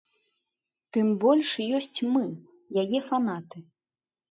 Тым больш ёсць мы, яе фанаты.